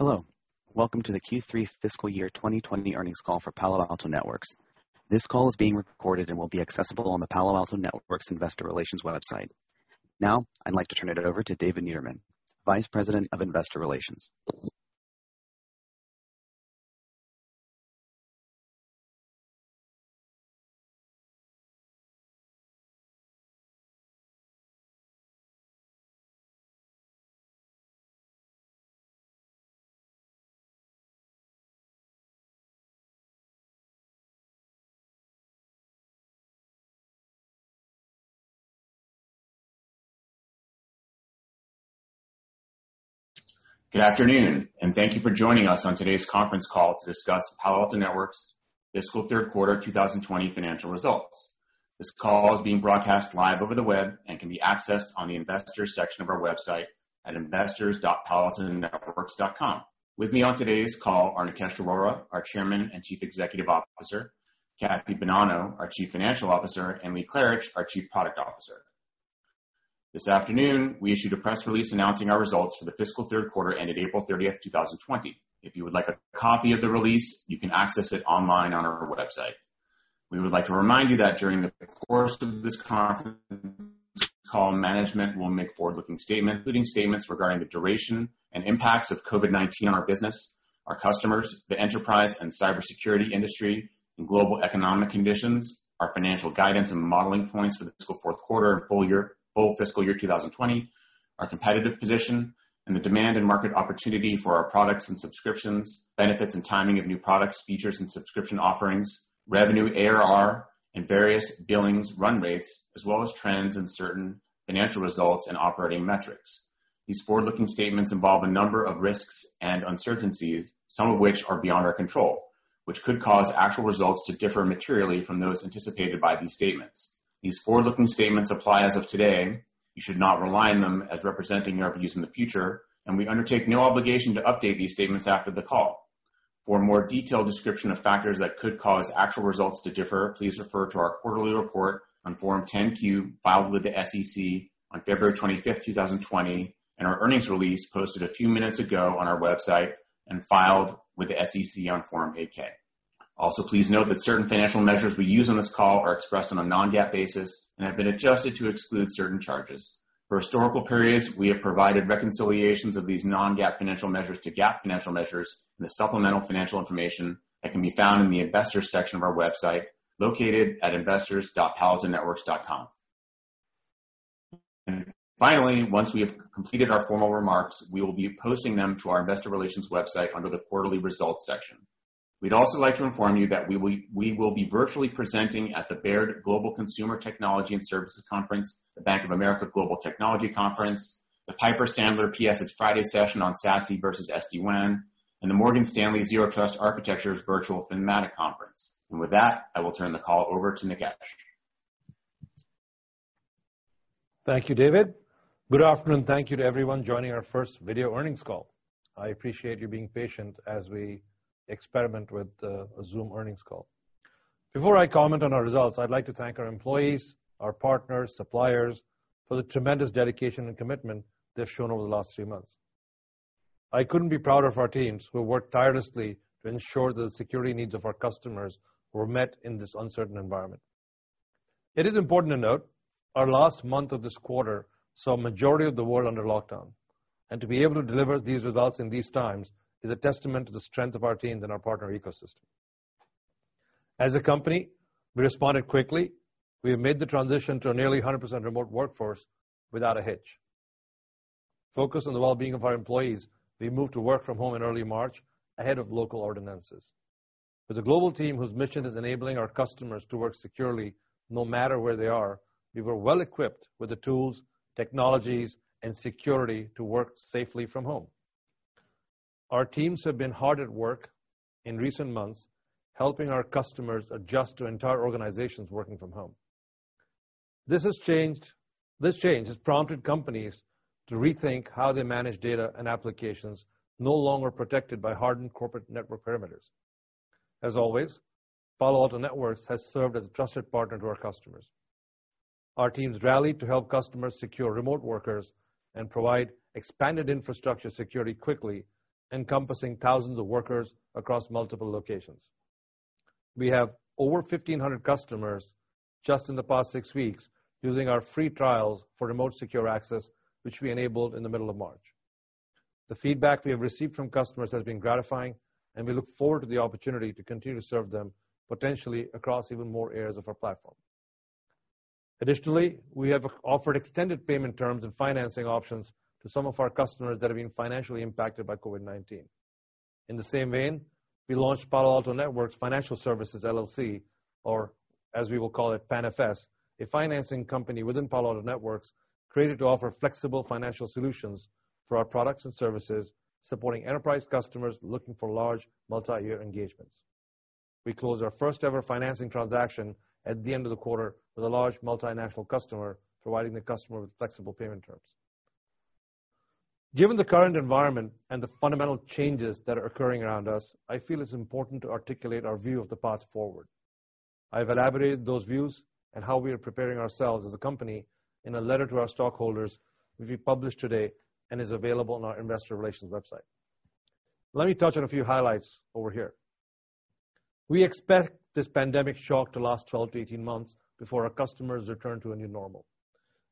Hello, welcome to the Q3 fiscal year 2020 earnings call for Palo Alto Networks. This call is being recorded and will be accessible on the Palo Alto Networks Investor Relations website. Now I'd like to turn it over to David Niederman, Vice President of Investor Relations. Good afternoon, and thank you for joining us on today's conference call to discuss Palo Alto Networks' fiscal third quarter 2020 financial results. This call is being broadcast live over the web and can be accessed on the investors section of our website at investors.paloaltonetworks.com. With me on today's call are Nikesh Arora, our Chairman and Chief Executive Officer, Kathy Bonanno, our Chief Financial Officer, and Lee Klarich, our Chief Product Officer. This afternoon, we issued a press release announcing our results for the fiscal third quarter ended April 30th, 2020. If you would like a copy of the release, you can access it online on our website. We would like to remind you that during the course of this conference call, management will make forward-looking statements regarding the duration and impacts of COVID-19 on our business, our customers, the enterprise and cybersecurity industry, and global economic conditions, our financial guidance and modeling points for the fiscal fourth quarter and full fiscal year 2020, our competitive position, and the demand and market opportunity for our products and subscriptions, benefits and timing of new products, features, and subscription offerings, revenue ARR, and various billings run rates, as well as trends in certain financial results and operating metrics. These forward-looking statements involve a number of risks and uncertainties, some of which are beyond our control, which could cause actual results to differ materially from those anticipated by these statements. These forward-looking statements apply as of today. You should not rely on them as representing our views in the future, and we undertake no obligation to update these statements after the call. For a more detailed description of factors that could cause actual results to differ, please refer to our quarterly report on Form 10-Q filed with the SEC on February 25th, 2020, and our earnings release posted a few minutes ago on our website and filed with the SEC on Form 8-K. Also, please note that certain financial measures we use on this call are expressed on a non-GAAP basis and have been adjusted to exclude certain charges. For historical periods, we have provided reconciliations of these non-GAAP financial measures to GAAP financial measures in the supplemental financial information that can be found in the investors section of our website located at investors.paloaltonetworks.com. Finally, once we have completed our formal remarks, we will be posting them to our investor relations website under the quarterly results section. We'd also like to inform you that we will be virtually presenting at the Baird Global Consumer, Technology & Services Conference, the Bank of America Global Technology Conference, the Piper Sandler P.S. It's Friday session on SASE versus SD-WAN, and the Morgan Stanley Zero Trust Architectures Virtual Thematic Conference. With that, I will turn the call over to Nikesh. Thank you, David. Good afternoon. Thank you to everyone joining our first video earnings call. I appreciate you being patient as we experiment with a Zoom earnings call. Before I comment on our results, I'd like to thank our employees, our partners, suppliers for the tremendous dedication and commitment they've shown over the last few months. I couldn't be prouder of our teams who have worked tirelessly to ensure the security needs of our customers were met in this uncertain environment. It is important to note, our last month of this quarter saw a majority of the world under lockdown, and to be able to deliver these results in these times is a testament to the strength of our teams and our partner ecosystem. As a company, we responded quickly. We have made the transition to a nearly 100% remote workforce without a hitch. Focused on the well-being of our employees, we moved to work from home in early March ahead of local ordinances. As a global team whose mission is enabling our customers to work securely no matter where they are, we were well-equipped with the tools, technologies, and security to work safely from home. Our teams have been hard at work in recent months, helping our customers adjust to entire organizations working from home. This change has prompted companies to rethink how they manage data and applications no longer protected by hardened corporate network perimeters. As always, Palo Alto Networks has served as a trusted partner to our customers. Our teams rallied to help customers secure remote workers and provide expanded infrastructure security quickly, encompassing thousands of workers across multiple locations. We have over 1,500 customers just in the past six weeks using our free trials for remote secure access, which we enabled in the middle of March. The feedback we have received from customers has been gratifying, and we look forward to the opportunity to continue to serve them, potentially across even more areas of our platform. Additionally, we have offered extended payment terms and financing options to some of our customers that have been financially impacted by COVID-19. In the same vein, we launched Palo Alto Networks Financial Services LLC, or as we will call it, PAN FS, a financing company within Palo Alto Networks created to offer flexible financial solutions for our products and services supporting enterprise customers looking for large multi-year engagements. We closed our first-ever financing transaction at the end of the quarter with a large multinational customer, providing the customer with flexible payment terms. Given the current environment and the fundamental changes that are occurring around us, I feel it's important to articulate our view of the path forward. I've elaborated those views and how we are preparing ourselves as a company in a letter to our stockholders, which we published today and is available on our investor relations website. Let me touch on a few highlights over here. We expect this pandemic shock to last 12-18 months before our customers return to a new normal,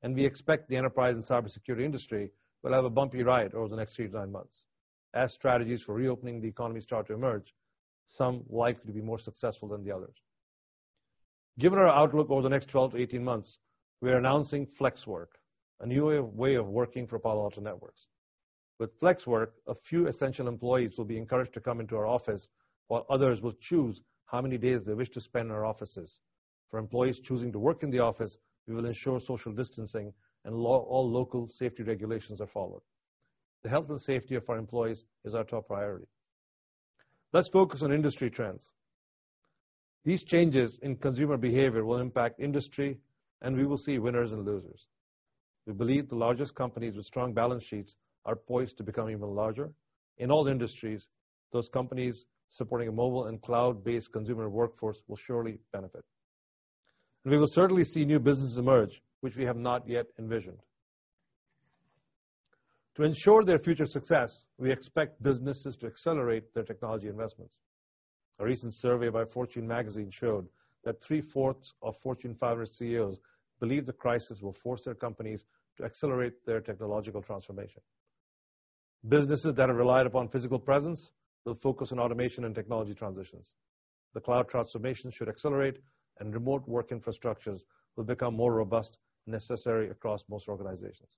and we expect the enterprise and cybersecurity industry will have a bumpy ride over the next three to nine months. As strategies for reopening the economy start to emerge, some likely to be more successful than the others. Given our outlook over the next 12-18 months, we are announcing FLEXWORK, a new way of working for Palo Alto Networks. With FLEXWORK, a few essential employees will be encouraged to come into our office, while others will choose how many days they wish to spend in our offices. For employees choosing to work in the office, we will ensure social distancing and all local safety regulations are followed. The health and safety of our employees is our top priority. Let's focus on industry trends. These changes in consumer behavior will impact industry. We will see winners and losers. We believe the largest companies with strong balance sheets are poised to become even larger. In all the industries, those companies supporting a mobile and cloud-based consumer workforce will surely benefit. We will certainly see new businesses emerge, which we have not yet envisioned. To ensure their future success, we expect businesses to accelerate their technology investments. A recent survey by "Fortune" magazine showed that 3/4 of Fortune 500 CEOs believe the crisis will force their companies to accelerate their technological transformation. Businesses that have relied upon physical presence will focus on automation and technology transitions. The cloud transformation should accelerate, and remote work infrastructures will become more robust, necessary across most organizations.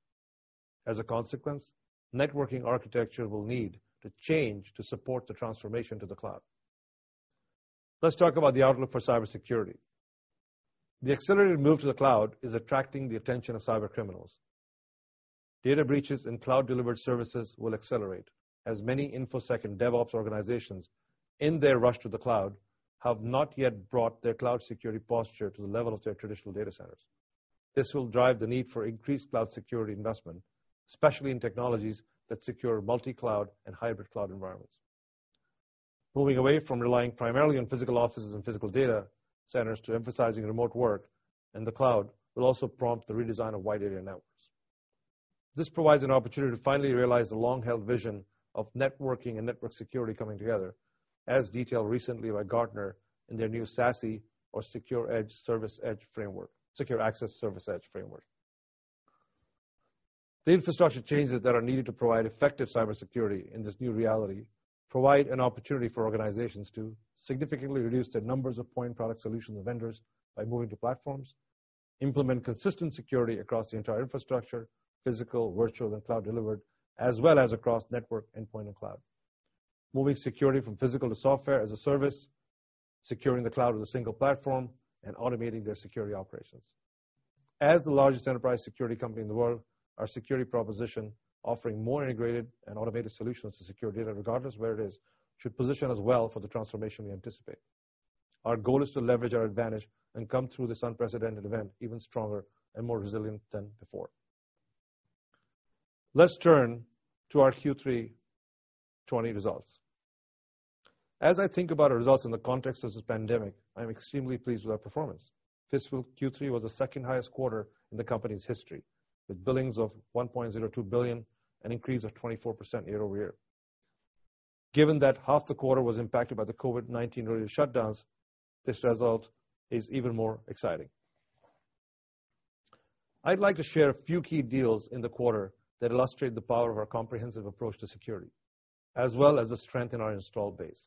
As a consequence, networking architecture will need to change to support the transformation to the cloud. Let's talk about the outlook for cybersecurity. The accelerated move to the cloud is attracting the attention of cybercriminals. Data breaches in cloud delivered services will accelerate as many InfoSec and DevOps organizations, in their rush to the cloud, have not yet brought their cloud security posture to the level of their traditional data centers. This will drive the need for increased cloud security investment, especially in technologies that secure multi-cloud and hybrid cloud environments. Moving away from relying primarily on physical offices and physical data centers to emphasizing remote work in the cloud will also prompt the redesign of wide area networks. This provides an opportunity to finally realize the long-held vision of networking and network security coming together, as detailed recently by Gartner in their new SASE, or Secure Access Service Edge framework. The infrastructure changes that are needed to provide effective cybersecurity in this new reality provide an opportunity for organizations to significantly reduce their numbers of point product solution vendors by moving to platforms, implement consistent security across the entire infrastructure, physical, virtual, and cloud delivered, as well as across network, endpoint, and cloud, moving security from physical to software-as-a-service, securing the cloud with a single platform, and automating their security operations. As the largest enterprise security company in the world, our security proposition offering more integrated and automated solutions to secure data regardless of where it is, should position us well for the transformation we anticipate. Our goal is to leverage our advantage and come through this unprecedented event even stronger and more resilient than before. Let's turn to our Q3 2020 results. As I think about our results in the context of this pandemic, I am extremely pleased with our performance. Fiscal Q3 was the second highest quarter in the company's history, with billings of $1.02 billion, an increase of 24% year-over-year. Given that half the quarter was impacted by the COVID-19-related shutdowns, this result is even more exciting. I'd like to share a few key deals in the quarter that illustrate the power of our comprehensive approach to security, as well as the strength in our installed base.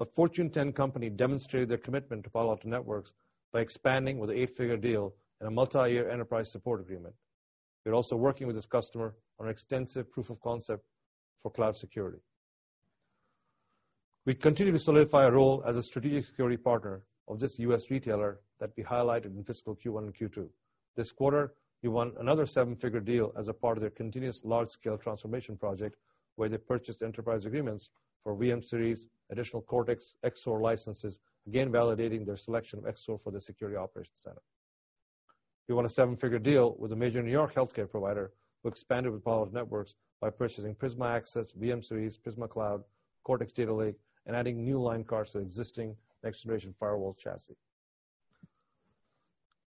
A Fortune 10 company demonstrated their commitment to Palo Alto Networks by expanding with an eight-figure deal and a multi-year enterprise support agreement. They're also working with this customer on an extensive proof of concept for cloud security. We continue to solidify our role as a strategic security partner of this U.S. retailer that we highlighted in fiscal Q1 and Q2. This quarter, we won another seven-figure deal as a part of their continuous large-scale transformation project, where they purchased enterprise agreements for VM-Series, additional Cortex XSOAR licenses, again validating their selection of XSOAR for their security operations center. We won a seven-figure deal with a major New York healthcare provider who expanded with Palo Alto Networks by purchasing Prisma Access, VM-Series, Prisma Cloud, Cortex Data Lake, and adding new line cards to existing next-generation firewall chassis.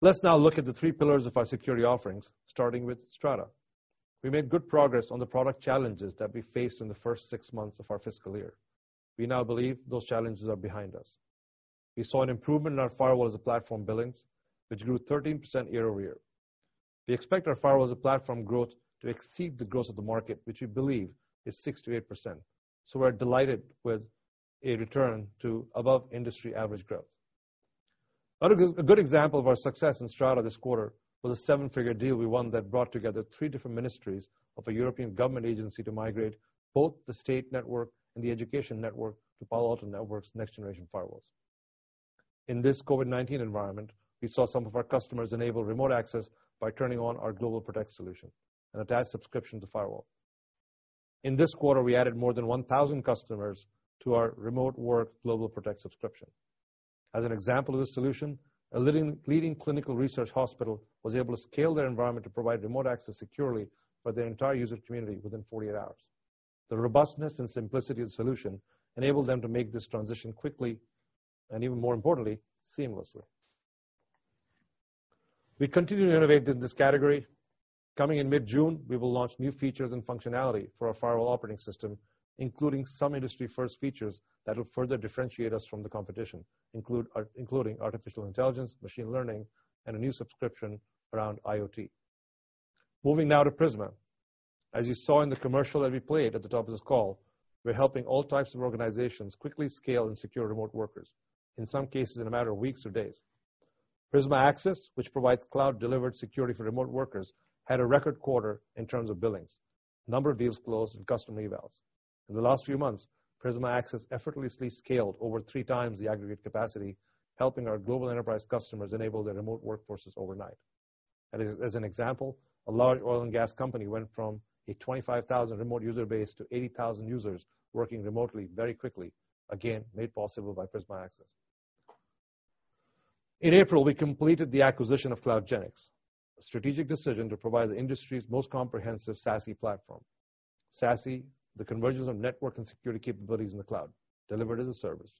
Let's now look at the three pillars of our security offerings, starting with Strata. We made good progress on the product challenges that we faced in the first six months of our fiscal year. We now believe those challenges are behind us. We saw an improvement in our firewall as a platform billings, which grew 13% year-over-year. We expect our firewall as a platform growth to exceed the growth of the market, which we believe is 6%-8%. We're delighted with a return to above industry average growth. A good example of our success in Strata this quarter was a seven-figure deal we won that brought together three different ministries of a European government agency to migrate both the state network and the education network to Palo Alto Networks next-generation firewalls. In this COVID-19 environment, we saw some of our customers enable remote access by turning on our GlobalProtect solution, an attached subscription to firewall. In this quarter, we added more than 1,000 customers to our remote work GlobalProtect subscription. As an example of this solution, a leading clinical research hospital was able to scale their environment to provide remote access securely for their entire user community within 48 hours. The robustness and simplicity of the solution enabled them to make this transition quickly and even more importantly, seamlessly. We continue to innovate in this category. Coming in mid-June, we will launch new features and functionality for our firewall operating system, including some industry first features that will further differentiate us from the competition, including artificial intelligence, machine learning, and a new subscription around IoT. Moving now to Prisma. As you saw in the commercial that we played at the top of this call, we're helping all types of organizations quickly scale and secure remote workers, in some cases in a matter of weeks or days. Prisma Access, which provides cloud-delivered security for remote workers, had a record quarter in terms of billings, number of deals closed, and customer evals. In the last few months, Prisma Access effortlessly scaled over 3 times the aggregate capacity, helping our global enterprise customers enable their remote workforces overnight. As an example, a large oil and gas company went from a 25,000 remote user base to 80,000 users working remotely very quickly. Again, made possible by Prisma Access. In April, we completed the acquisition of CloudGenix, a strategic decision to provide the industry's most comprehensive SASE platform. SASE, the convergence of network and security capabilities in the cloud, delivered as a service.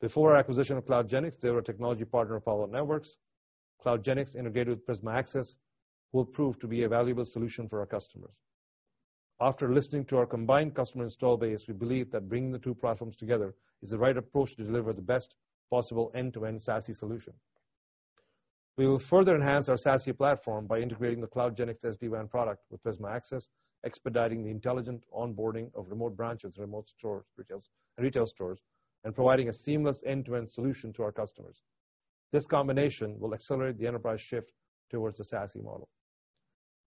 Before acquisition of CloudGenix, they were a technology partner of Palo Alto Networks. CloudGenix integrated with Prisma Access will prove to be a valuable solution for our customers. After listening to our combined customer install base, we believe that bringing the two platforms together is the right approach to deliver the best possible end-to-end SASE solution. We will further enhance our SASE platform by integrating the CloudGenix SD-WAN product with Prisma Access, expediting the intelligent onboarding of remote branches, remote stores, retail stores, and providing a seamless end-to-end solution to our customers. This combination will accelerate the enterprise shift towards the SASE model.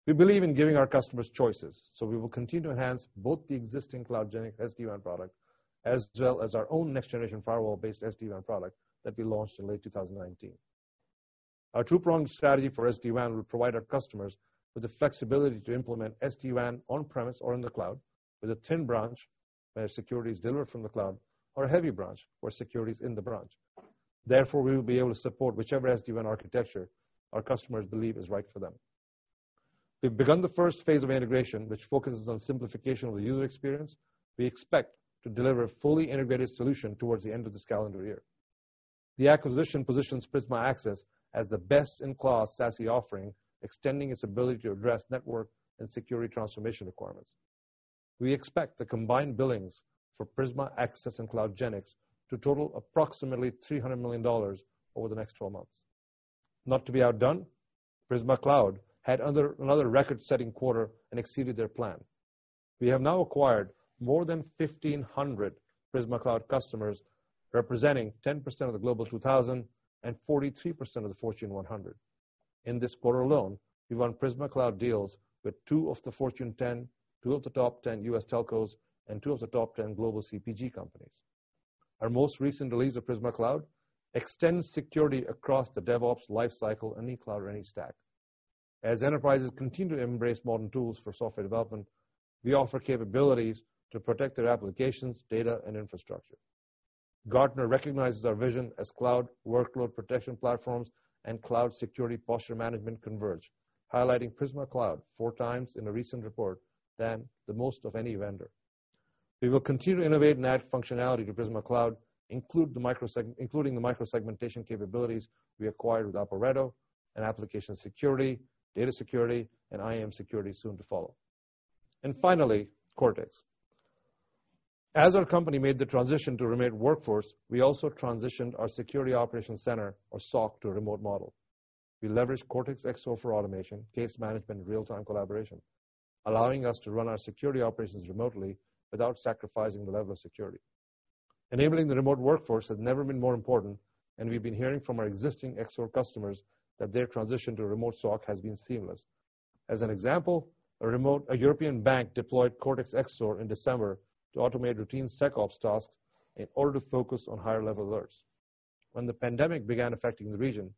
We believe in giving our customers choices, we will continue to enhance both the existing CloudGenix SD-WAN product, as well as our own next-generation firewall-based SD-WAN product that we launched in late 2019. Our two-pronged strategy for SD-WAN will provide our customers with the flexibility to implement SD-WAN on-premise or in the cloud with a thin branch, where security is delivered from the cloud, or a heavy branch, where security is in the branch. Therefore, we will be able to support whichever SD-WAN architecture our customers believe is right for them. We've begun the first phase of integration, which focuses on simplification of the user experience. We expect to deliver a fully integrated solution towards the end of this calendar year. The acquisition positions Prisma Access as the best-in-class SASE offering, extending its ability to address network and security transformation requirements. We expect the combined billings for Prisma Access and CloudGenix to total approximately $300 million over the next 12 months. Not to be outdone, Prisma Cloud had another record-setting quarter and exceeded their plan. We have now acquired more than 1,500 Prisma Cloud customers, representing 10% of the Global 2000 and 43% of the Fortune 100. In this quarter alone, we won Prisma Cloud deals with two of the Fortune 10, two of the top 10 U.S. telcos, and two of the top 10 global CPG companies. Our most recent release of Prisma Cloud extends security across the DevOps lifecycle in any cloud or any stack. As enterprises continue to embrace modern tools for software development, we offer capabilities to protect their applications, data, and infrastructure. Gartner recognizes our vision as cloud workload protection platforms and cloud security posture management converge, highlighting Prisma Cloud four times in a recent report than the most of any vendor. We will continue to innovate and add functionality to Prisma Cloud, including the micro-segmentation capabilities we acquired with Aporeto and application security, data security, and IAM security soon to follow. Finally, Cortex. As our company made the transition to remote workforce, we also transitioned our security operation center or SOC to a remote model. We leveraged Cortex XSOAR for automation, case management, and real-time collaboration, allowing us to run our security operations remotely without sacrificing the level of security. Enabling the remote workforce has never been more important. We've been hearing from our existing XSOAR customers that their transition to a remote SOC has been seamless. As an example, a European bank deployed Cortex XSOAR in December to automate routine SecOps tasks in order to focus on higher-level alerts. When the pandemic began affecting the region,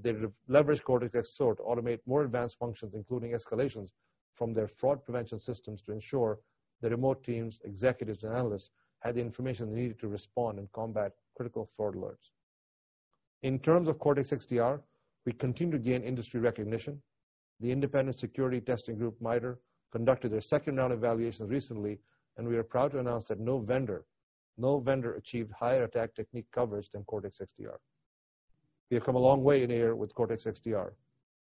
they leveraged Cortex XSOAR to automate more advanced functions, including escalations from their fraud prevention systems, to ensure the remote teams, executives, and analysts had the information they needed to respond and combat critical fraud alerts. In terms of Cortex XDR, we continue to gain industry recognition. The independent security testing group, MITRE, conducted their second-round evaluation recently. We are proud to announce that no vendor achieved higher attack technique coverage than Cortex XDR. We have come a long way in a year with Cortex XDR.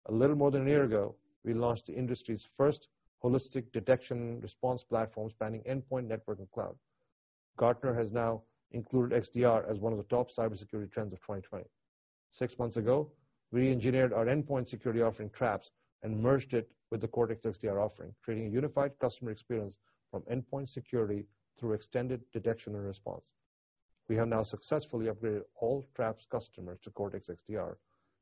A little more than a year ago, we launched the industry's first holistic detection response platform spanning endpoint, network, and cloud. Gartner has now included XDR as one of the top cybersecurity trends of 2020. Six months ago, we engineered our endpoint security offering, Traps, and merged it with the Cortex XDR offering, creating a unified customer experience from endpoint security through extended detection and response. We have now successfully upgraded all Traps customers to Cortex XDR,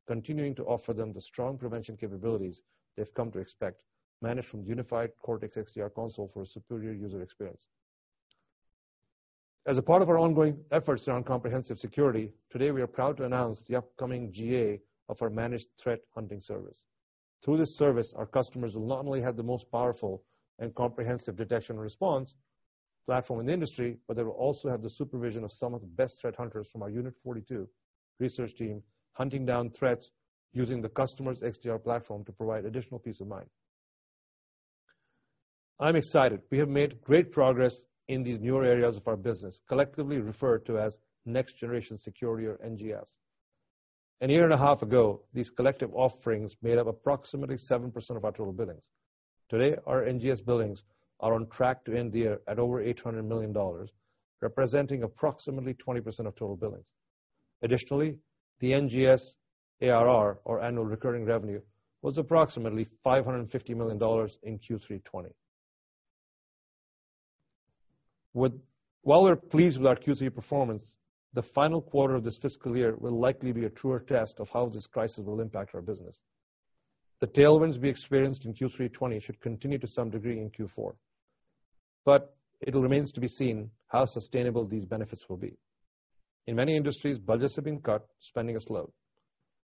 continuing to offer them the strong prevention capabilities they've come to expect, managed from the unified Cortex XDR console for a superior user experience. As a part of our ongoing efforts around comprehensive security, today we are proud to announce the upcoming GA of our managed threat hunting service. Through this service, our customers will not only have the most powerful and comprehensive detection response platform in the industry, but they will also have the supervision of some of the best threat hunters from our Unit 42 research team, hunting down threats using the customer's XDR platform to provide additional peace of mind. I'm excited. We have made great progress in these newer areas of our business, collectively referred to as Next-Generation Security or NGS. A year and a half ago, these collective offerings made up approximately 7% of our total billings. Today, our NGS billings are on track to end the year at over $800 million, representing approximately 20% of total billings. Additionally, the NGS ARR, or Annual Recurring Revenue, was approximately $550 million in Q3 FY2020. While we're pleased with our Q3 performance, the final quarter of this fiscal year will likely be a truer test of how this crisis will impact our business. The tailwinds we experienced in Q3 FY2020 should continue to some degree in Q4. It will remains to be seen how sustainable these benefits will be. In many industries, budgets have been cut, spending is low.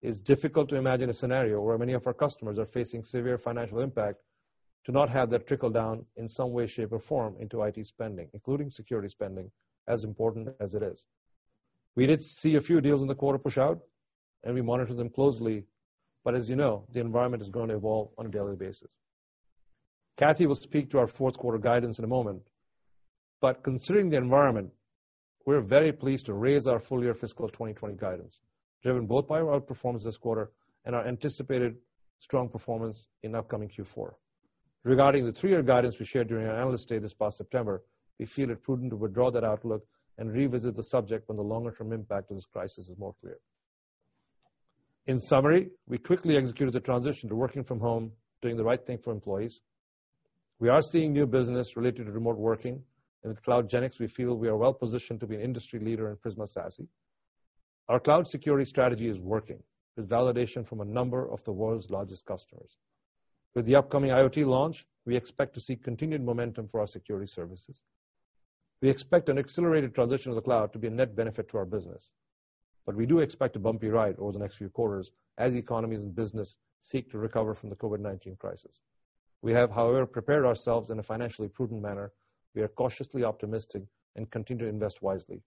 It's difficult to imagine a scenario where many of our customers are facing severe financial impact to not have that trickle down in some way, shape, or form into IT spending, including security spending, as important as it is. We did see a few deals in the quarter push out, and we monitor them closely, but as you know, the environment is going to evolve on a daily basis. Kathy will speak to our fourth quarter guidance in a moment, but considering the environment, we're very pleased to raise our full-year fiscal 2020 guidance, driven both by our performance this quarter and our anticipated strong performance in upcoming Q4. Regarding the three-year guidance we shared during our Analyst Day this past September, we feel it prudent to withdraw that outlook and revisit the subject when the longer-term impact of this crisis is more clear. In summary, we quickly executed the transition to working from home, doing the right thing for employees. We are seeing new business related to remote working, and with CloudGenix, we feel we are well-positioned to be an industry leader in Prisma SASE. Our cloud security strategy is working, with validation from a number of the world's largest customers. With the upcoming IoT launch, we expect to see continued momentum for our security services. We expect an accelerated transition to the cloud to be a net benefit to our business. We do expect a bumpy ride over the next few quarters as economies and business seek to recover from the COVID-19 crisis. We have, however, prepared ourselves in a financially prudent manner. We are cautiously optimistic and continue to invest wisely.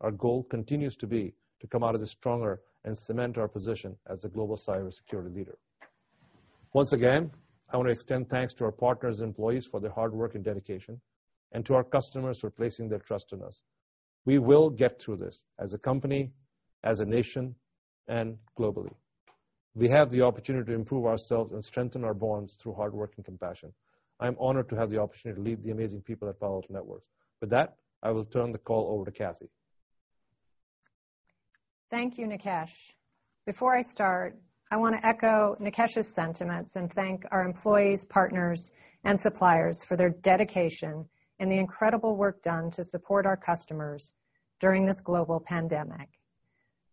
Our goal continues to be to come out of this stronger and cement our position as the global cybersecurity leader. Once again, I want to extend thanks to our partners and employees for their hard work and dedication, and to our customers for placing their trust in us. We will get through this as a company, as a nation, and globally. We have the opportunity to improve ourselves and strengthen our bonds through hard work and compassion. I'm honored to have the opportunity to lead the amazing people at Palo Alto Networks. With that, I will turn the call over to Kathy. Thank you, Nikesh. Before I start, I want to echo Nikesh's sentiments and thank our employees, partners, and suppliers for their dedication and the incredible work done to support our customers during this global pandemic.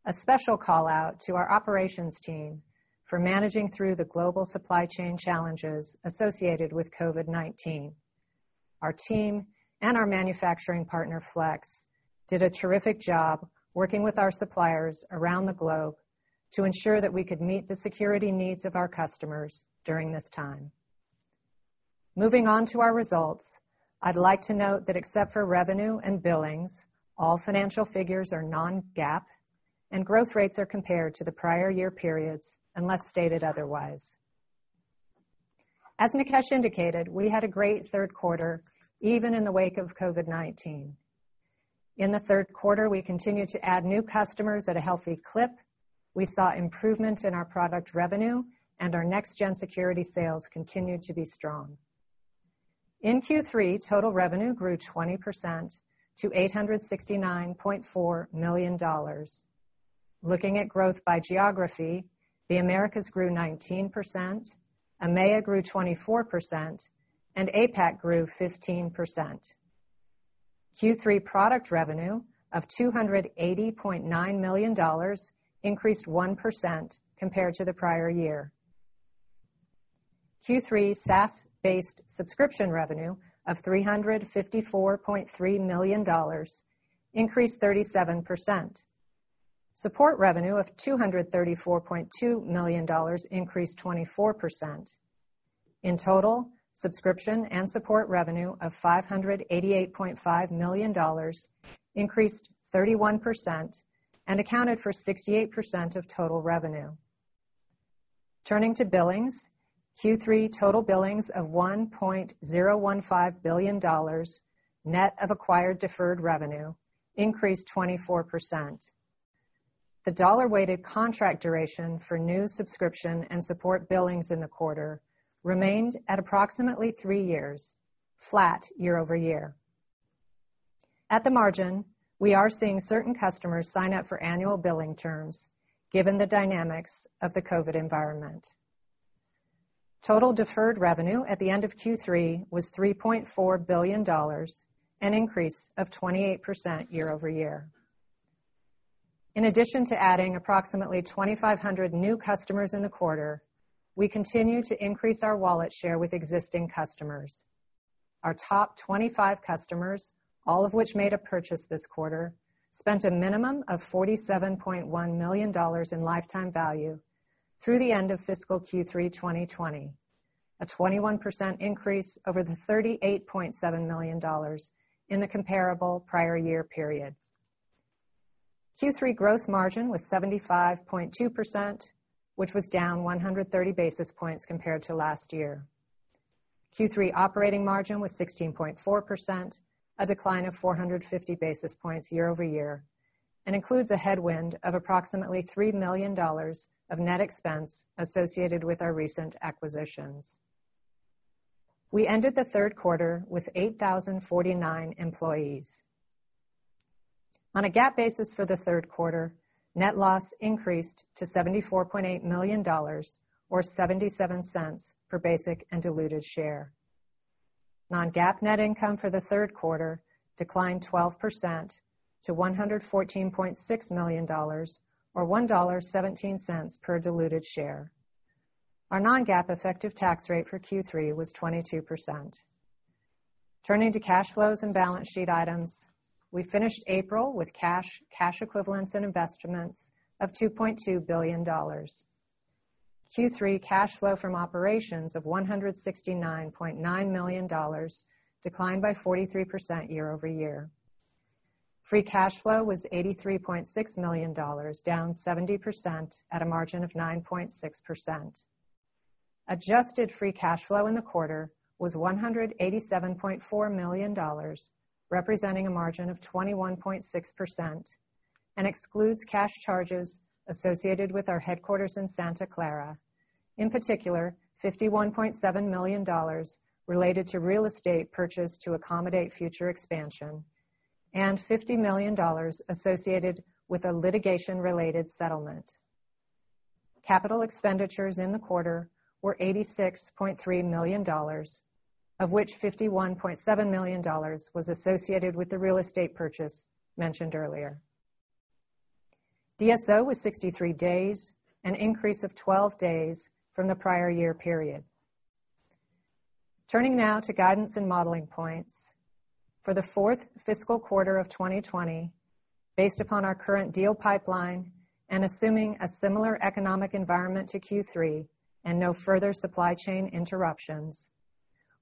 A special call-out to our operations team for managing through the global supply chain challenges associated with COVID-19. Our team and our manufacturing partner, Flex, did a terrific job working with our suppliers around the globe to ensure that we could meet the security needs of our customers during this time. Moving on to our results, I'd like to note that except for revenue and billings, all financial figures are non-GAAP, and growth rates are compared to the prior year periods, unless stated otherwise. As Nikesh indicated, we had a great third quarter, even in the wake of COVID-19. In the third quarter, we continued to add new customers at a healthy clip. We saw improvement in our product revenue. Our Next-Generation Security sales continued to be strong. In Q3, total revenue grew 20% to $869.4 million. Looking at growth by geography, the Americas grew 19%, EMEA grew 24%, and APAC grew 15%. Q3 product revenue of $280.9 million increased 1% compared to the prior year. Q3 SaaS-based subscription revenue of $354.3 million increased 37%. Support revenue of $234.2 million increased 24%. In total, subscription and support revenue of $588.5 million increased 31% and accounted for 68% of total revenue. Turning to billings, Q3 total billings of $1.015 billion, net of acquired deferred revenue, increased 24%. The dollar-weighted contract duration for new subscription and support billings in the quarter remained at approximately three years, flat year-over-year. At the margin, we are seeing certain customers sign up for annual billing terms, given the dynamics of the COVID environment. Total deferred revenue at the end of Q3 was $3.4 billion, an increase of 28% year-over-year. In addition to adding approximately 2,500 new customers in the quarter, we continue to increase our wallet share with existing customers. Our top 25 customers, all of which made a purchase this quarter, spent a minimum of $47.1 million in lifetime value. Through the end of fiscal Q3 2020, a 21% increase over the $38.7 million in the comparable prior year period. Q3 gross margin was 75.2%, which was down 130 basis points compared to last year. Q3 operating margin was 16.4%, a decline of 450 basis points year-over-year, and includes a headwind of approximately $3 million of net expense associated with our recent acquisitions. We ended the third quarter with 8,049 employees. On a GAAP basis for the third quarter, net loss increased to $74.8 million, or $0.77 per basic and diluted share. Non-GAAP net income for the third quarter declined 12% to $114.6 million, or $1.17 per diluted share. Our non-GAAP effective tax rate for Q3 was 22%. Turning to cash flows and balance sheet items, we finished April with cash equivalents and investments of $2.2 billion. Q3 cash flow from operations of $169.9 million declined by 43% year-over-year. Free cash flow was $83.6 million, down 70% at a margin of 9.6%. Adjusted free cash flow in the quarter was $187.4 million, representing a margin of 21.6%, and excludes cash charges associated with our headquarters in Santa Clara. In particular, $51.7 million related to real estate purchase to accommodate future expansion, and $50 million associated with a litigation-related settlement. Capital expenditures in the quarter were $86.3 million, of which $51.7 million was associated with the real estate purchase mentioned earlier. DSO was 63 days, an increase of 12 days from the prior year period. Turning now to guidance and modeling points. For the fourth fiscal quarter of 2020, based upon our current deal pipeline and assuming a similar economic environment to Q3 and no further supply chain interruptions,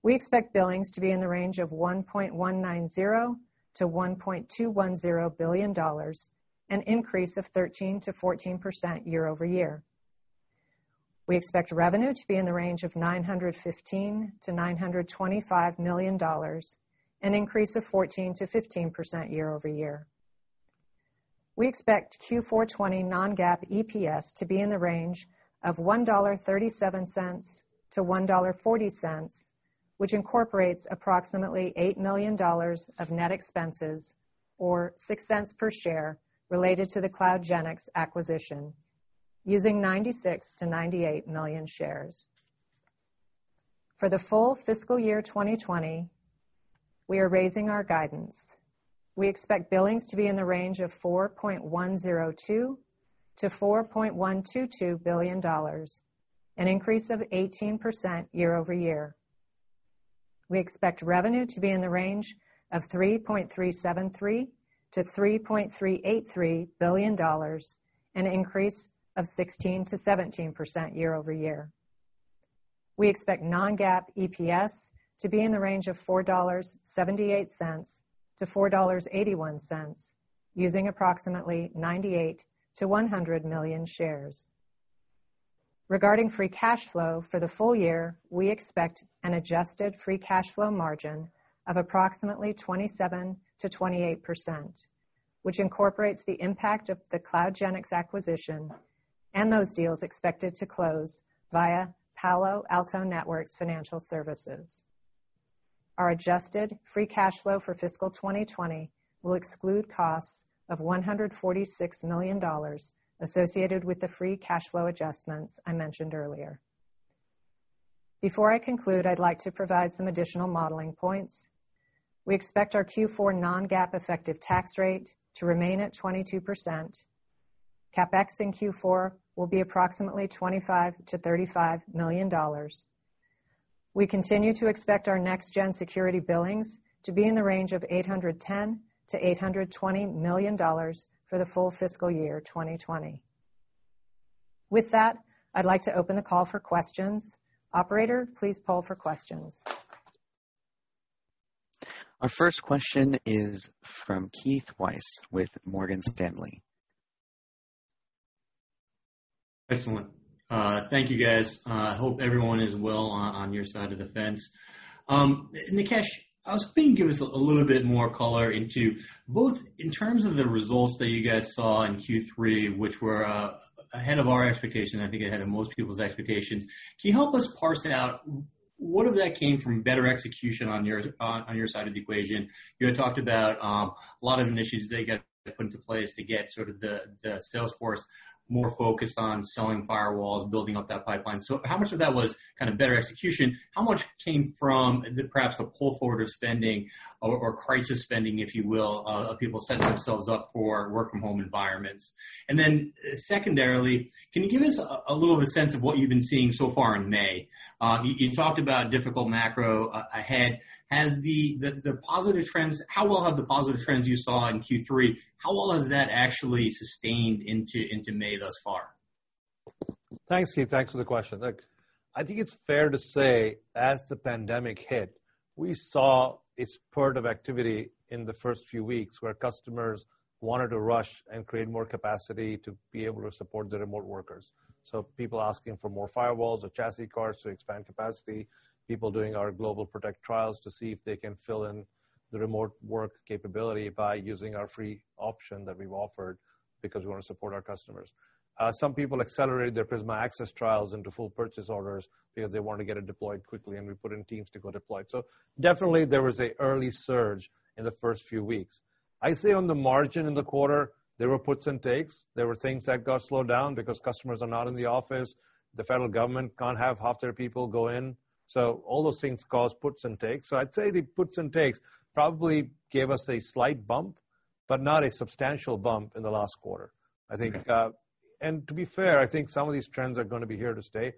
we expect billings to be in the range of $1.190 billion-$1.210 billion, an increase of 13%-14% year-over-year. We expect revenue to be in the range of $915 million-$925 million, an increase of 14%-15% year-over-year. We expect Q4 2020 non-GAAP EPS to be in the range of $1.37-$1.40, which incorporates approximately $8 million of net expenses, or $0.06 per share, related to the CloudGenix acquisition, using $96 million-$98 million shares. For the full fiscal year 2020, we are raising our guidance. We expect billings to be in the range of $4.102 billion-$4.122 billion, an increase of 18% year-over-year. We expect revenue to be in the range of $3.373 billion-$3.383 billion, an increase of 16%-17% year-over-year. We expect non-GAAP EPS to be in the range of $4.78-$4.81, using approximately $98 million-$100 million shares. Regarding free cash flow for the full year, we expect an adjusted free cash flow margin of approximately 27%-28%, which incorporates the impact of the CloudGenix acquisition and those deals expected to close via Palo Alto Networks Financial Services. Our adjusted free cash flow for fiscal 2020 will exclude costs of $146 million associated with the free cash flow adjustments I mentioned earlier. Before I conclude, I'd like to provide some additional modeling points. We expect our Q4 non-GAAP effective tax rate to remain at 22%. CapEx in Q4 will be approximately $25 million-$35 million. We continue to expect our Next-Generation Security billings to be in the range of $810 million-$820 million for the full fiscal year 2020. With that, I'd like to open the call for questions. Operator, please poll for questions. Our first question is from Keith Weiss with Morgan Stanley. Excellent. Thank you, guys. Hope everyone is well on your side of the fence. Nikesh, I was hoping you could give us a little bit more color into both in terms of the results that you guys saw in Q3, which were ahead of our expectation, I think ahead of most people's expectations. Can you help us parse out what of that came from better execution on your side of the equation? You had talked about a lot of initiatives that put into place to get sort of the sales force more focused on selling firewalls, building up that pipeline. How much of that was kind of better execution? How much came from perhaps a pull forward of spending or crisis spending, if you will, of people setting themselves up for work from home environments? Secondarily, can you give us a little of a sense of what you've been seeing so far in May? You talked about difficult macro ahead. How well have the positive trends you saw in Q3, how well has that actually sustained into May thus far? Thanks, Keith. Thanks for the question. Look, I think it's fair to say as the pandemic hit, we saw a spurt of activity in the first few weeks where customers wanted to rush and create more capacity to be able to support the remote workers. People asking for more firewalls or chassis cards to expand capacity, people doing our GlobalProtect trials to see if they can fill in the remote work capability by using our free option that we've offered because we want to support our customers. Some people accelerated their Prisma Access trials into full purchase orders because they wanted to get it deployed quickly, and we put in teams to go deploy. Definitely there was an early surge in the first few weeks. I say on the margin in the quarter, there were puts and takes. There were things that got slowed down because customers are not in the office. The federal government can't have half their people go in. All those things cause puts and takes. I'd say the puts and takes probably gave us a slight bump, but not a substantial bump in the last quarter. Okay. To be fair, I think some of these trends are going to be here to stay.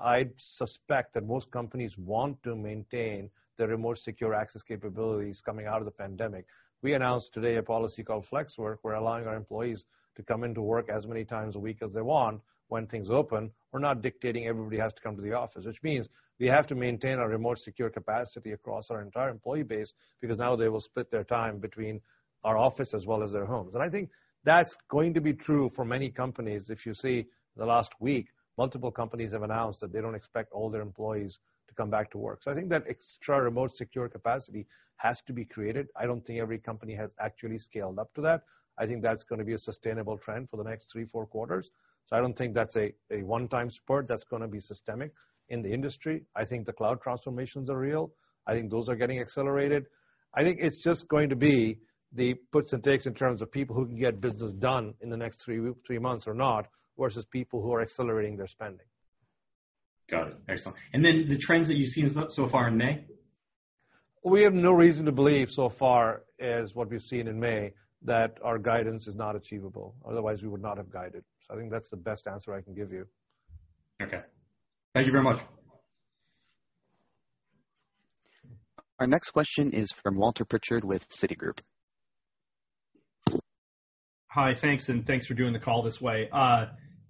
I suspect that most companies want to maintain their remote secure access capabilities coming out of the pandemic. We announced today a policy called FLEXWORK. We're allowing our employees to come into work as many times a week as they want when things open. We're not dictating everybody has to come to the office, which means we have to maintain our remote secure capacity across our entire employee base because now they will split their time between our office as well as their homes. I think that's going to be true for many companies. If you see the last week, multiple companies have announced that they don't expect all their employees to come back to work. I think that extra remote secure capacity has to be created. I don't think every company has actually scaled up to that. I think that's going to be a sustainable trend for the next three, four quarters. I don't think that's a one-time spurt. That's going to be systemic in the industry. I think the cloud transformations are real. I think those are getting accelerated. I think it's just going to be the puts and takes in terms of people who can get business done in the next three months or not, versus people who are accelerating their spending. Got it. Excellent. The trends that you've seen so far in May? We have no reason to believe so far as what we've seen in May, that our guidance is not achievable. Otherwise, we would not have guided. I think that's the best answer I can give you. Okay. Thank you very much. Our next question is from Walter Pritchard with Citigroup. Hi, thanks. Thanks for doing the call this way.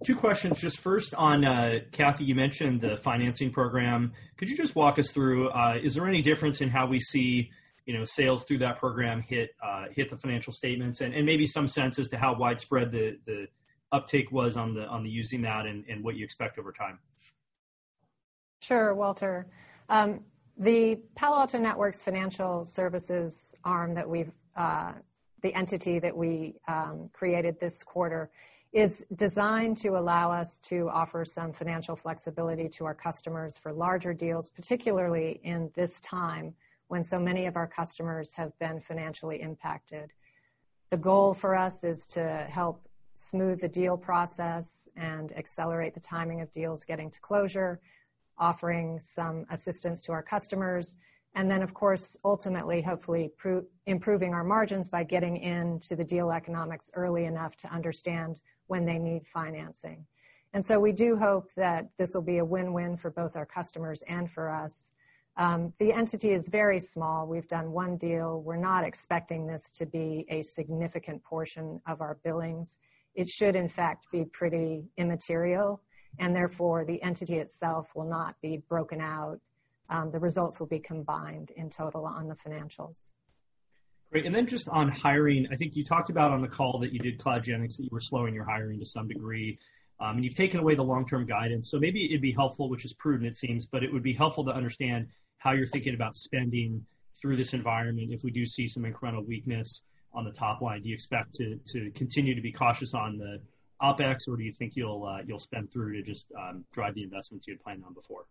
Two questions. Just first on, Kathy, you mentioned the financing program. Could you just walk us through, is there any difference in how we see sales through that program hit the financial statements? Maybe some sense as to how widespread the uptake was on using that and what you expect over time? Sure, Walter. The Palo Alto Networks Financial Services, the entity that we created this quarter is designed to allow us to offer some financial flexibility to our customers for larger deals, particularly in this time when so many of our customers have been financially impacted. The goal for us is to help smooth the deal process and accelerate the timing of deals getting to closure, offering some assistance to our customers, and then, of course, ultimately, hopefully, improving our margins by getting into the deal economics early enough to understand when they need financing. We do hope that this will be a win-win for both our customers and for us. The entity is very small. We've done one deal. We're not expecting this to be a significant portion of our billings. It should, in fact, be pretty immaterial, and therefore, the entity itself will not be broken out. The results will be combined in total on the financials. Great. Just on hiring, I think you talked about on the call that you did CloudGenix, that you were slowing your hiring to some degree. You've taken away the long-term guidance. Maybe it'd be helpful, which is prudent, it seems, but it would be helpful to understand how you're thinking about spending through this environment. If we do see some incremental weakness on the top line, do you expect to continue to be cautious on the OPEX, or do you think you'll spend through to just drive the investments you had planned on before?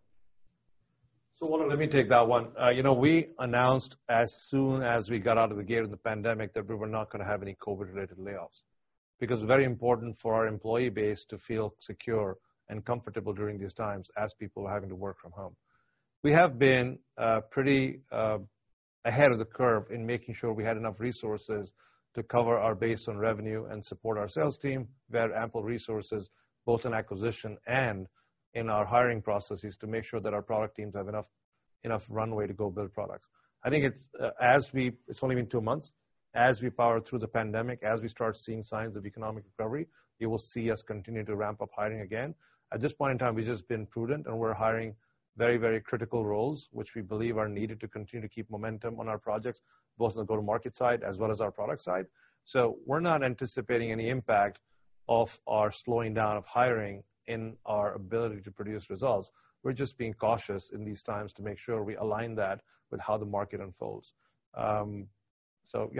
Walter, let me take that one. We announced as soon as we got out of the gate of the pandemic that we were not going to have any COVID-related layoffs, because it's very important for our employee base to feel secure and comfortable during these times as people are having to work from home. We have been pretty ahead of the curve in making sure we had enough resources to cover our base on revenue and support our sales team. We have ample resources both in acquisition and in our hiring processes to make sure that our product teams have enough runway to go build products. It's only been two months. As we power through the pandemic, as we start seeing signs of economic recovery, you will see us continue to ramp up hiring again. At this point in time, we've just been prudent, we're hiring very critical roles, which we believe are needed to continue to keep momentum on our projects, both on the go-to-market side as well as our product side. We're not anticipating any impact of our slowing down of hiring in our ability to produce results. We're just being cautious in these times to make sure we align that with how the market unfolds. Yeah. Great. Thank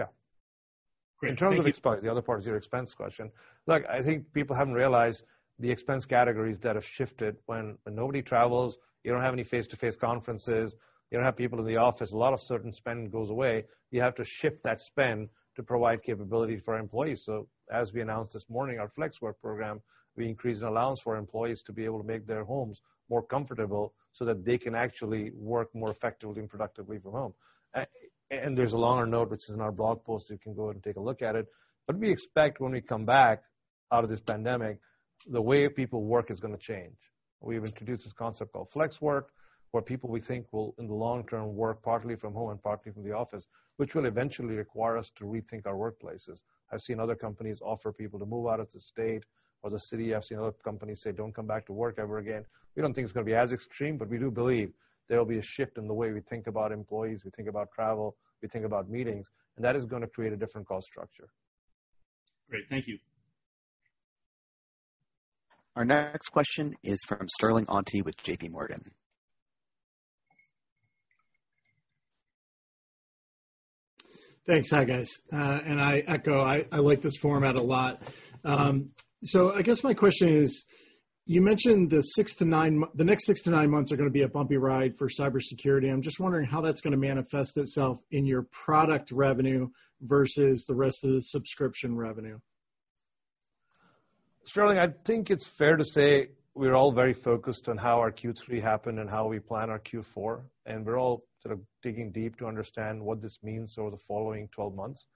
you. In terms of expense, the other part is your expense question. Look, I think people haven't realized the expense categories that have shifted when nobody travels, you don't have any face-to-face conferences, you don't have people in the office, a lot of certain spend goes away. You have to shift that spend to provide capability for employees. As we announced this morning, our FLEXWORK program, we increased an allowance for employees to be able to make their homes more comfortable so that they can actually work more effectively and productively from home. There's a longer note, which is in our blog post. You can go and take a look at it. We expect when we come back out of this pandemic, the way people work is going to change. We've introduced this concept called FLEXWORK, where people we think will, in the long term, work partly from home and partly from the office, which will eventually require us to rethink our workplaces. I've seen other companies offer people to move out of the state or the city. I've seen other companies say, "Don't come back to work ever again." We don't think it's going to be as extreme, but we do believe there will be a shift in the way we think about employees, we think about travel, we think about meetings, and that is going to create a different cost structure. Great. Thank you. Our next question is from Sterling Auty with JPMorgan. Thanks. Hi, guys. I echo, I like this format a lot. I guess my question is, you mentioned the next six to nine months are going to be a bumpy ride for cybersecurity. I'm just wondering how that's going to manifest itself in your product revenue versus the rest of the subscription revenue. Sterling, I think it's fair to say we're all very focused on how our Q3 happened and how we plan our Q4, and we're all sort of digging deep to understand what this means over the following 12 months.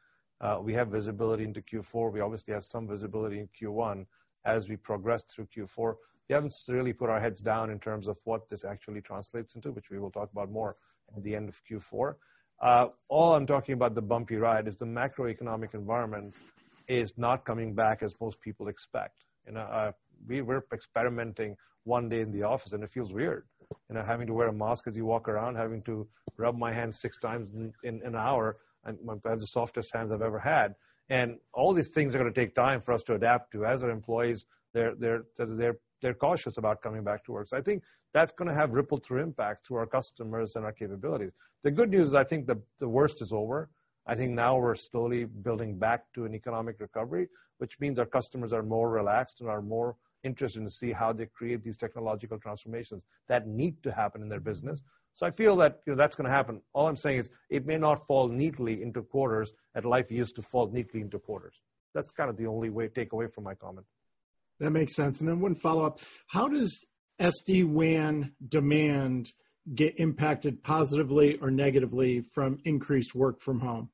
We have visibility into Q4. We obviously have some visibility in Q1. As we progress through Q4, we haven't necessarily put our heads down in terms of what this actually translates into, which we will talk about more at the end of Q4. All I'm talking about the bumpy ride is the macroeconomic environment is not coming back as most people expect. We're experimenting one day in the office, and it feels weird. Having to wear a mask as you walk around, having to rub my hands 6x in an hour, and I have the softest hands I've ever had. All these things are going to take time for us to adapt to. As are employees, they're cautious about coming back to work. I think that's going to have ripple-through impact to our customers and our capabilities. The good news is I think the worst is over. I think now we're slowly building back to an economic recovery, which means our customers are more relaxed and are more interested to see how they create these technological transformations that need to happen in their business. I feel that's going to happen. All I'm saying is it may not fall neatly into quarters, and life used to fall neatly into quarters. That's kind of the only takeaway from my comment. That makes sense. One follow-up. How does SD-WAN demand get impacted positively or negatively from increased work from home?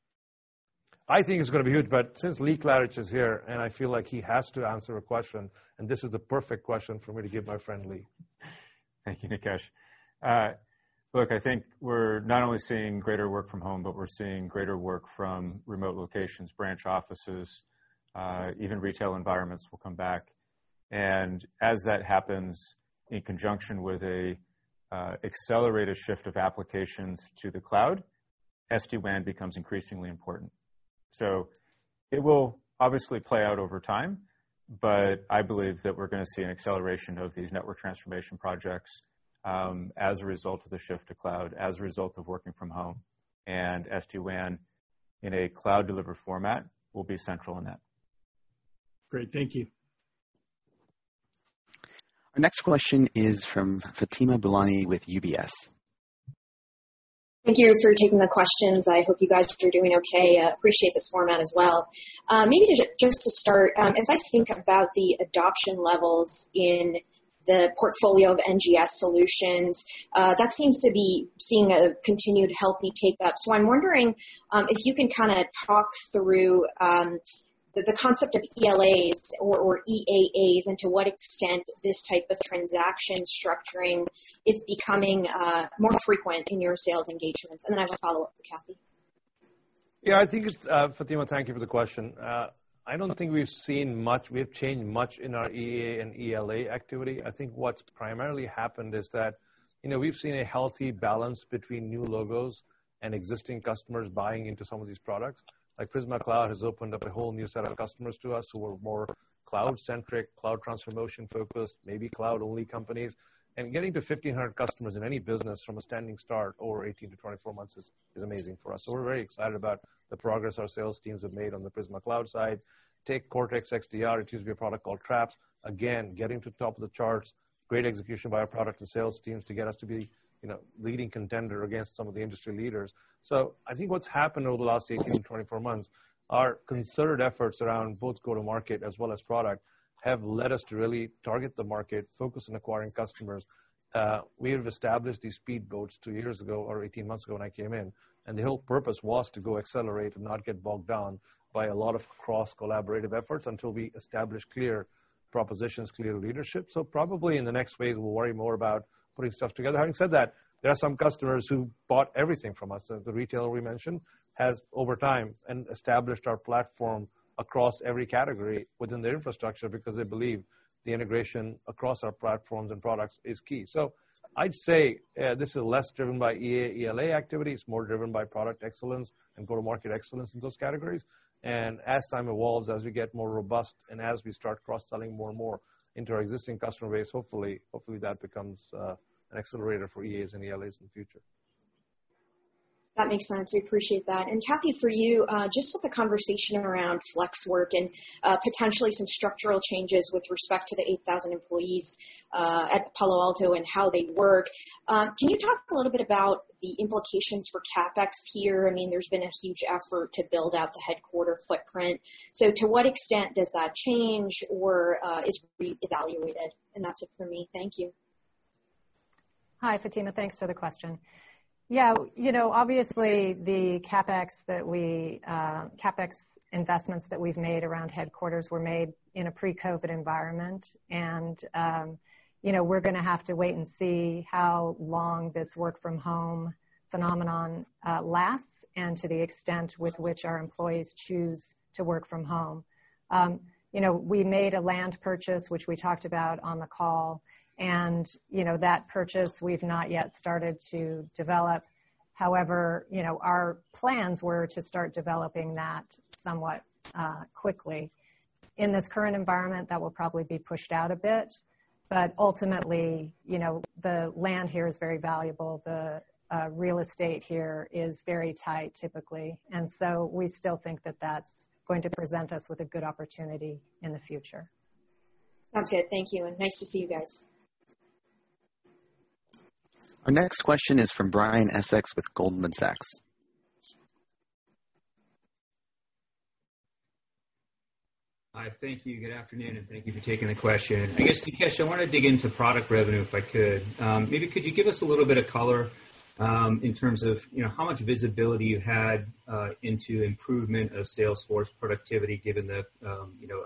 I think it's going to be huge, but since Lee Klarich is here, and I feel like he has to answer a question, and this is the perfect question for me to give my friend Lee. Thank you, Nikesh. Look, I think we're not only seeing greater work from home, but we're seeing greater work from remote locations, branch offices, even retail environments will come back. As that happens, in conjunction with a accelerated shift of applications to the cloud, SD-WAN becomes increasingly important. It will obviously play out over time, but I believe that we're going to see an acceleration of these network transformation projects, as a result of the shift to cloud, as a result of working from home. SD-WAN, in a cloud-delivered format, will be central in that. Great. Thank you. Our next question is from Fatima Boolani with UBS. Thank you for taking the questions. I hope you guys are doing okay. Appreciate this format as well. Maybe just to start, as I think about the adoption levels in the portfolio of NGS solutions, that seems to be seeing a continued healthy take up. I'm wondering if you can talk through the concept of ELAs or EAAs and to what extent this type of transaction structuring is becoming more frequent in your sales engagements. I have a follow-up for Kathy. Fatima, thank you for the question. I don't think we've changed much in our EAA and ELA activity. I think what's primarily happened is that we've seen a healthy balance between new logos and existing customers buying into some of these products. Like Prisma Cloud has opened up a whole new set of customers to us who are more cloud-centric, cloud transformation focused, maybe cloud-only companies. Getting to 1,500 customers in any business from a standing start over 18-24 months is amazing for us. We're very excited about the progress our sales teams have made on the Prisma Cloud side. Take Cortex XDR. It used to be a product called Traps. Again, getting to the top of the charts, great execution by our product and sales teams to get us to be leading contender against some of the industry leaders. I think what's happened over the last 18-24 months, our concerted efforts around both go-to-market as well as product have led us to really target the market, focus on acquiring customers. We have established these speedboats two years ago, or 18 months ago, when I came in, and the whole purpose was to go accelerate and not get bogged down by a lot of cross-collaborative efforts until we established clear propositions, clear leadership. Probably in the next phase, we'll worry more about putting stuff together. Having said that, there are some customers who bought everything from us. The retailer we mentioned has, over time, established our platform across every category within their infrastructure because they believe the integration across our platforms and products is key. I'd say this is less driven by EAA, ELA activity. It's more driven by product excellence and go-to-market excellence in those categories. As time evolves, as we get more robust, and as we start cross-selling more and more into our existing customer base, hopefully, that becomes an accelerator for EAAs and ELAs in the future. That makes sense. We appreciate that. Kathy, for you, just with the conversation around FLEXWORK and potentially some structural changes with respect to the 8,000 employees at Palo Alto and how they work, can you talk a little bit about the implications for CapEx here? There's been a huge effort to build out the headquarter footprint. To what extent does that change or is reevaluated? That's it for me. Thank you. Hi, Fatima. Thanks for the question. Obviously, the CapEx investments that we've made around headquarters were made in a pre-COVID environment. We're going to have to wait and see how long this work from home phenomenon lasts and to the extent with which our employees choose to work from home. We made a land purchase, which we talked about on the call, and that purchase, we've not yet started to develop. However, our plans were to start developing that somewhat quickly. In this current environment, that will probably be pushed out a bit, but ultimately, the land here is very valuable. The real estate here is very tight typically. We still think that that's going to present us with a good opportunity in the future. That's good. Thank you, and nice to see you guys. Our next question is from Brian Essex with Goldman Sachs. Hi. Thank you. Good afternoon, and thank you for taking the question. I guess, Nikesh, I want to dig into product revenue, if I could. Maybe could you give us a little bit of color in terms of how much visibility you had into improvement of sales force productivity given the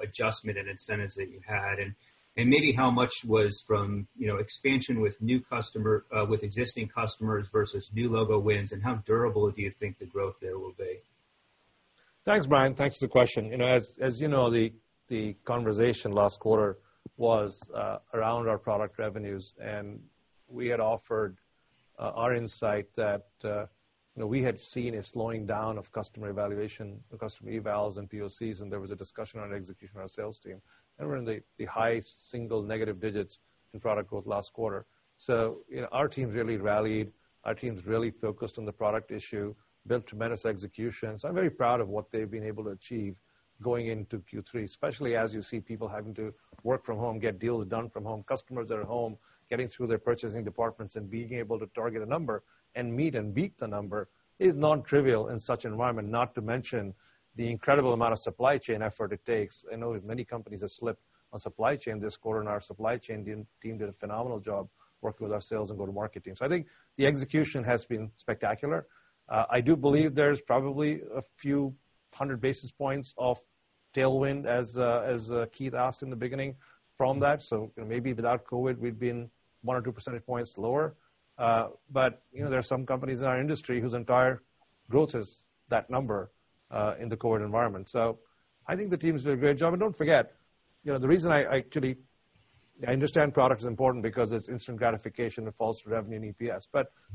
adjustment and incentives that you had and maybe how much was from expansion with existing customers versus new logo wins, and how durable do you think the growth there will be? Thanks, Brian. Thanks for the question. As you know, the conversation last quarter was around our product revenues. We had offered our insight that we had seen a slowing down of customer evaluation, customer evals, and POCs. There was a discussion on execution of our sales team. We're in the high single negative digits in product growth last quarter. Our teams really rallied. Our teams really focused on the product issue, built tremendous execution. I'm very proud of what they've been able to achieve going into Q3, especially as you see people having to work from home, get deals done from home. Customers that are at home getting through their purchasing departments and being able to target a number and meet and beat the number is non-trivial in such an environment, not to mention the incredible amount of supply chain effort it takes. I know that many companies have slipped on supply chain this quarter, and our supply chain team did a phenomenal job working with our sales and go-to-market teams. I think the execution has been spectacular. I do believe there's probably a few hundred basis points of tailwind, as Keith asked in the beginning, from that. Maybe without COVID, we'd been one or two percentage points lower. There are some companies in our industry whose entire growth is that number, in the COVID environment. I think the team has did a great job. Don't forget, the reason I actually understand product is important because it's instant gratification. It falls to revenue and EPS.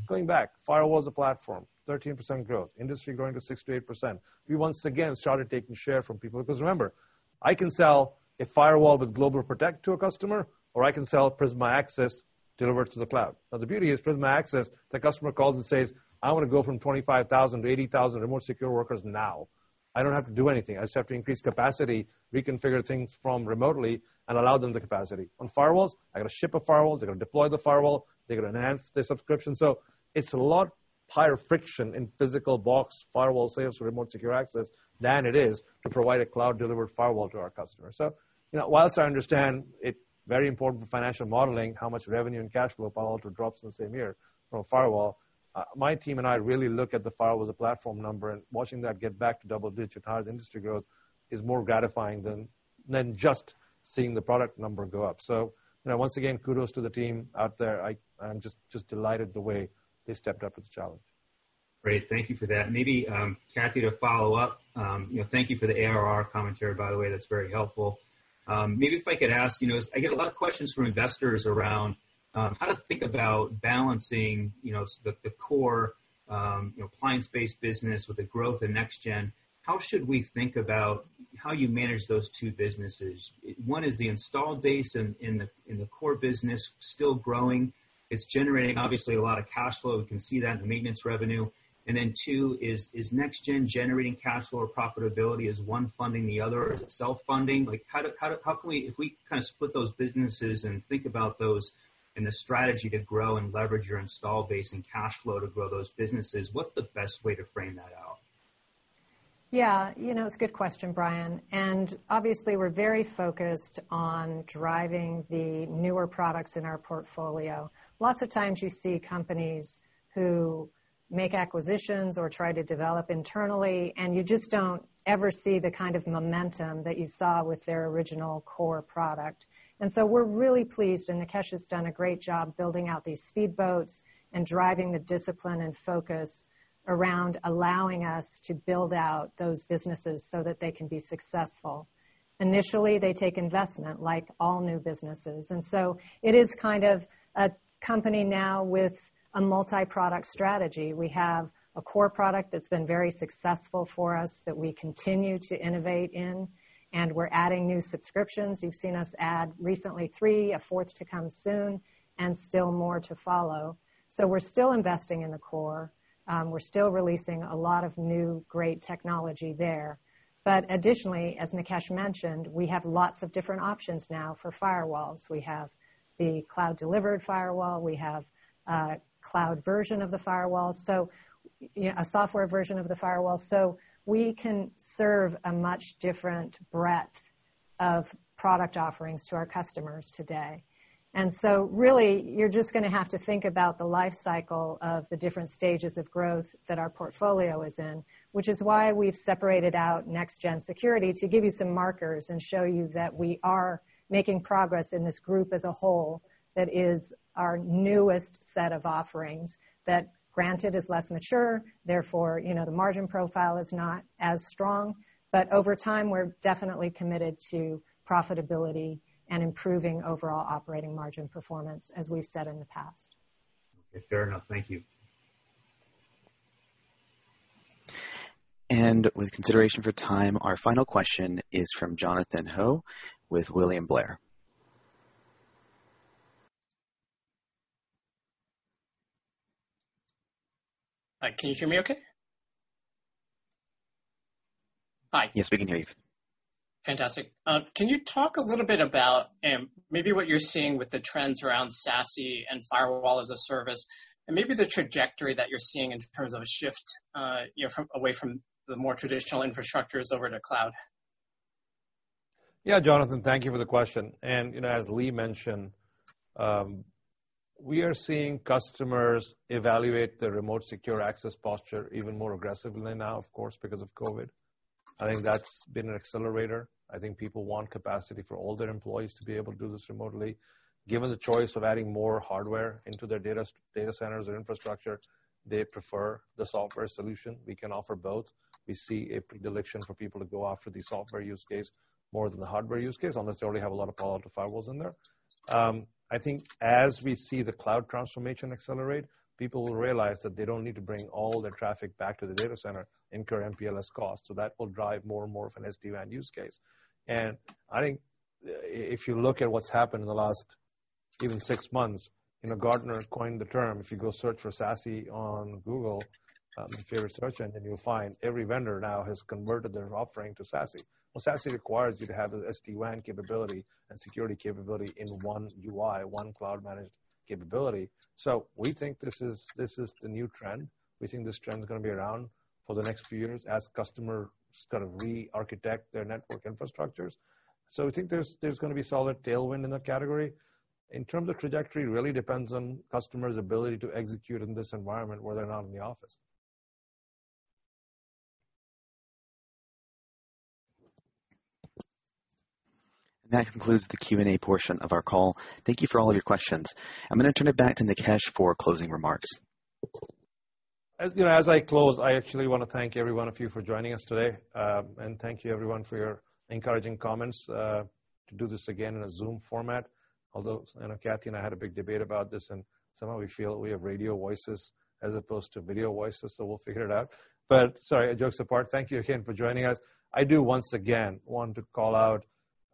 Going back, firewall is a platform, 13% growth, industry growing to 6%-8%. We once again started taking share from people because remember, I can sell a firewall with GlobalProtect to a customer, or I can sell Prisma Access delivered to the cloud. Now, the beauty is Prisma Access, the customer calls and says, "I want to go from 25,000 to 80,000 remote secure workers now." I don't have to do anything. I just have to increase capacity, reconfigure things from remotely, and allow them the capacity. On firewalls, I got to ship a firewall. They're going to deploy the firewall. They're going to enhance their subscription. It's a lot higher friction in physical box firewall sales for remote secure access than it is to provide a cloud-delivered firewall to our customers. Whilst I understand it very important for financial modeling how much revenue and cash flow Palo Alto drops in the same year from a firewall, my team and I really look at the firewall as a platform number, and watching that get back to double-digit as industry grows is more gratifying than just seeing the product number go up. Once again, kudos to the team out there. I'm just delighted the way they stepped up to the challenge. Great. Thank you for that. Maybe, Kathy, to follow up, thank you for the ARR commentary, by the way. That's very helpful. Maybe if I could ask, I get a lot of questions from investors around how to think about balancing the core appliance-based business with the growth in Next-Gen. How should we think about how you manage those two businesses? One is the installed base in the core business still growing. It's generating obviously a lot of cash flow. We can see that in the maintenance revenue. Two is Next-Gen generating cash flow or profitability? Is one funding the other or is it self-funding? If we split those businesses and think about those and the strategy to grow and leverage your install base and cash flow to grow those businesses, what's the best way to frame that out? Yeah. It's a good question, Brian. Obviously, we're very focused on driving the newer products in our portfolio. Lots of times you see companies who make acquisitions or try to develop internally, and you just don't ever see the kind of momentum that you saw with their original core product. We're really pleased, and Nikesh has done a great job building out these speedboats and driving the discipline and focus around allowing us to build out those businesses so that they can be successful. Initially, they take investment like all new businesses. It is kind of a company now with a multi-product strategy. We have a core product that's been very successful for us that we continue to innovate in, and we're adding new subscriptions. You've seen us add recently three, a fourth to come soon, and still more to follow. We're still investing in the core. We're still releasing a lot of new great technology there. Additionally, as Nikesh mentioned, we have lots of different options now for firewalls. We have the cloud-delivered firewall. We have a cloud version of the firewall, a software version of the firewall. We can serve a much different breadth of product offerings to our customers today. Really, you're just going to have to think about the life cycle of the different stages of growth that our portfolio is in, which is why we've separated out Next-Generation Security to give you some markers and show you that we are making progress in this group as a whole. That is our newest set of offerings that granted is less mature, therefore, the margin profile is not as strong. Over time, we're definitely committed to profitability and improving overall operating margin performance, as we've said in the past. Okay, fair enough. Thank you. With consideration for time, our final question is from Jonathan Ho with William Blair. Hi, can you hear me okay? Hi. Yes, we can hear you. Fantastic. Can you talk a little bit about maybe what you're seeing with the trends around SASE and firewall-as-a-service and maybe the trajectory that you're seeing in terms of a shift away from the more traditional infrastructures over to cloud? Yeah. Jonathan, thank you for the question. As Lee mentioned, we are seeing customers evaluate the remote secure access posture even more aggressively now, of course, because of COVID. I think that's been an accelerator. I think people want capacity for all their employees to be able to do this remotely. Given the choice of adding more hardware into their data centers or infrastructure, they prefer the software solution. We can offer both. We see a predilection for people to go after the software use case more than the hardware use case, unless they already have a lot of Palo Alto firewalls in there. I think as we see the cloud transformation accelerate, people will realize that they don't need to bring all their traffic back to the data center, incur MPLS costs. That will drive more and more of an SD-WAN use case. I think if you look at what's happened in the last even six months, Gartner coined the term, if you go search for SASE on Google, your search engine, you'll find every vendor now has converted their offering to SASE. Well, SASE requires you to have the SD-WAN capability and security capability in one UI, one cloud-managed capability. We think this is the new trend. We think this trend is going to be around for the next few years as customers kind of re-architect their network infrastructures. We think there's going to be solid tailwind in that category. In terms of trajectory, really depends on customers' ability to execute in this environment where they're not in the office. That concludes the Q&A portion of our call. Thank you for all of your questions. I'm going to turn it back to Nikesh for closing remarks. As I close, I actually want to thank every one of you for joining us today. Thank you everyone for your encouraging comments to do this again in a Zoom format. I know Kathy and I had a big debate about this, and somehow we feel we have radio voices as opposed to video voices, so we'll figure it out. Sorry, jokes apart, thank you again for joining us. I do once again want to call out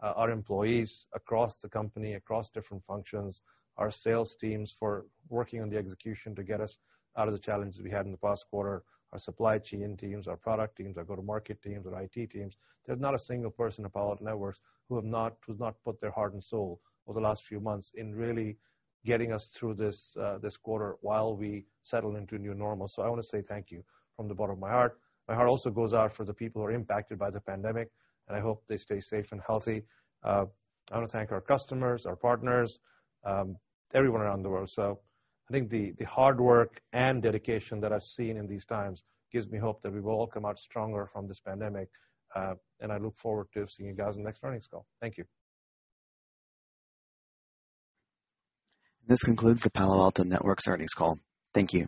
our employees across the company, across different functions, our sales teams for working on the execution to get us out of the challenges we had in the past quarter, our supply chain teams, our product teams, our go-to-market teams, our IT teams. There's not a single person at Palo Alto Networks who have not put their heart and soul over the last few months in really getting us through this quarter while we settle into a new normal. I want to say thank you from the bottom of my heart. My heart also goes out for the people who are impacted by the pandemic, and I hope they stay safe and healthy. I want to thank our customers, our partners, everyone around the world. I think the hard work and dedication that I've seen in these times gives me hope that we will all come out stronger from this pandemic. I look forward to seeing you guys in the next earnings call. Thank you. This concludes the Palo Alto Networks earnings call. Thank you.